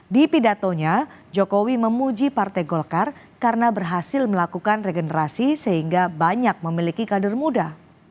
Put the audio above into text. di pidatonya jokowi memuji partai golkar karena berhasil melakukan regenerasi sehingga banyak memiliki kader muda